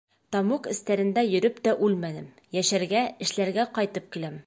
Тамуҡ эстәрендә йөрөп тә үлмәнем, йәшәргә, эшләргә ҡайтып киләм.